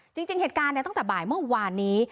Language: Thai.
จริงเหตุการณ์ตั้งแต่บ่ายเมื่อวานนี้